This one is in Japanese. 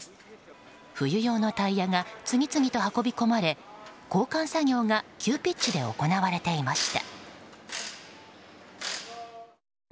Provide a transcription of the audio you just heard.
冬用のタイヤが次々と運び込まれ交換作業が急ピッチで行われていました。